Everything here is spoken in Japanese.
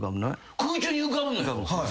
空中に浮かぶのよ。